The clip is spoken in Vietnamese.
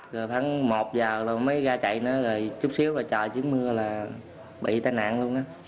rồi tháng một giờ rồi mới ra chạy nữa rồi chút xíu trời chứ mưa là bị tai nạn luôn đó